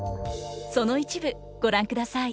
その一部ご覧ください。